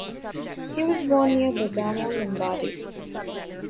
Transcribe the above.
He was born near Bergamo, Lombardy.